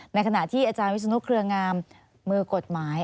ในขณะที่อาจารย์วิศนุเครืองามมือกฎหมาย